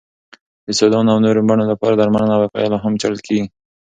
د سودان او نورو بڼو لپاره درملنه او وقایه لا هم څېړل کېږي.